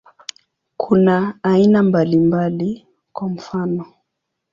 Kuna aina mbalimbali, kwa mfano.